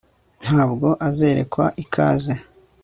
ntabwo azerekwa ikaze